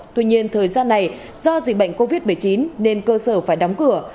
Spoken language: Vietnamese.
tuy nhiên thời gian này do dịch bệnh covid một mươi chín nên cơ sở phải đóng cửa